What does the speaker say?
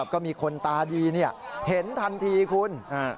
ก็มีคนตาดีเห็นทันทีคุณ